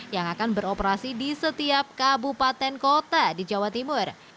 yang akan beroperasi di setiap kabupaten kota di jawa timur